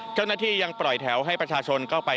เจ้าหน้าที่ยังปล่อยแถวให้ประชาชนเข้าไป